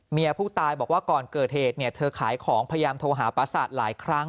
เมียผู้ตายบอกว่าก่อนเกิดเหตุเธอขายของพยายามโทรหาประสาทหลายครั้ง